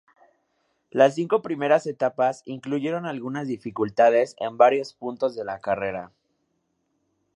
Las cinco primeras etapas incluyeron algunas dificultades en varios puntos de la carrera.